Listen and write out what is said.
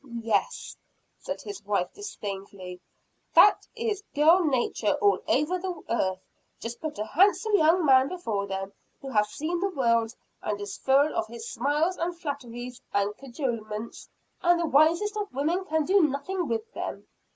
"Yes," said his wife disdainfully "that is girl nature, all over the earth! Just put a handsome young man before them, who has seen the world, and is full of his smiles and flatteries and cajolements, and the wisest of women can do nothing with them.